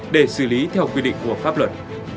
để xử lý theo quy định của pháp luật